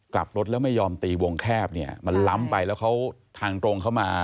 กลับรถแล้วไม่ยอมตีวงแคบเนี่ยมันล้ำไปแล้วเขาทางตรงเข้ามา